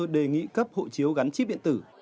đề nghị cấp hộ chiếu gắn chip điện tử